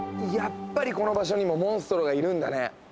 やっぱりこの場所にもモンストロがいるんだね。